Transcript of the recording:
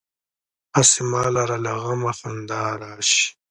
هسې ما لره له غمه خندا راشي.